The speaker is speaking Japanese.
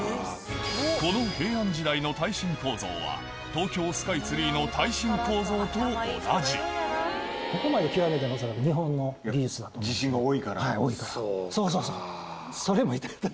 この平安時代の耐震構造は東京スカイツリーの耐震構造と同じそうそうそう。